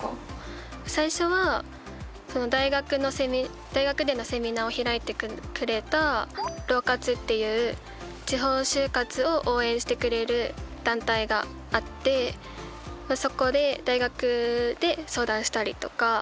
最初は大学でのセミナーを開いてくれたＬＯ活っていう地方就活を応援してくれる団体があってそこで大学で相談したりとか。